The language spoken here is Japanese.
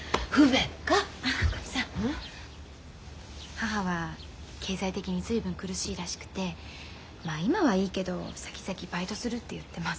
母は経済的に随分苦しいらしくてまあ今はいいけどさきざきバイトするって言ってます。